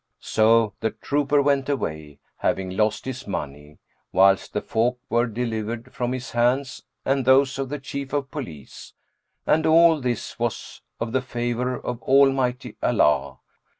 So the trooper went away, having lost his money, whilst the folk were delivered from his hands and those of the Chief of Police, and all this was of the favour of Almighty Allah.